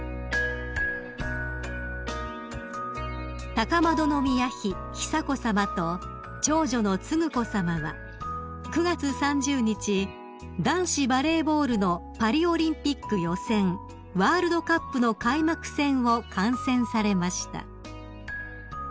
［高円宮妃久子さまと長女の承子さまは９月３０日男子バレーボールのパリオリンピック予選ワールドカップの開幕戦を観戦されました］